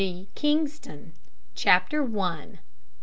G. KINGSTON. CHAPTER ONE.